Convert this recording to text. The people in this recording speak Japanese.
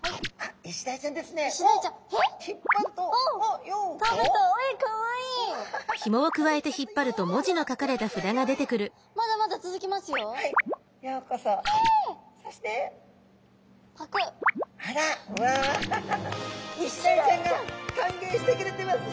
イシダイちゃんがかんげいしてくれてますね。